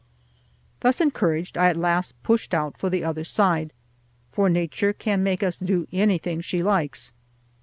Thus encouraged, I at last pushed out for the other side; for Nature can make us do anything she likes.